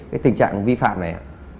cái tình trạng vi phạm này